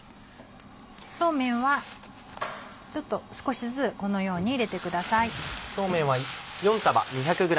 そうめんは少しずつこのように入れてください。